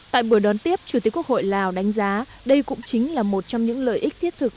tại buổi đón tiếp chủ tịch quốc hội lào đánh giá đây cũng chính là một trong những lợi ích thiết thực